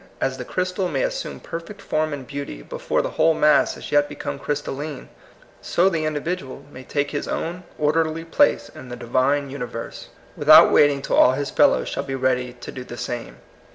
As the crystal may as sume perfect form and beauty before the whole mass has as yet become crystalline, so the individual may take his own orderly place in the Divine universe, without wait ing till all his fellows shall be ready to do the same.